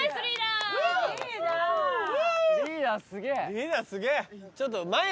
リーダーすげえ。